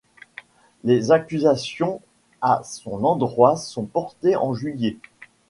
Les accusations à son endroit sont portées en juillet.